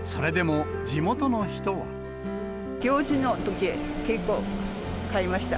行事のとき、結構、買いました。